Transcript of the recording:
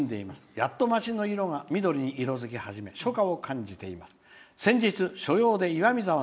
やっと町の色が緑に色づき始め初夏を感じています。